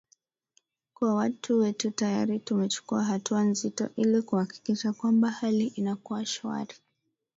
kwa watu wetu tayari tumechukua hatua nzito ili kuhakikisha kwamba hali inakuwa shwari